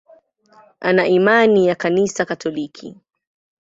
Ana imani ya Kanisa Katoliki.